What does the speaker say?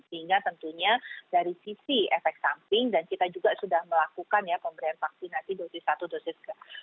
sehingga tentunya dari sisi efek samping dan kita juga sudah melakukan ya pemberian vaksinasi dosis satu dosis